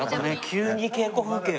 急に稽古風景。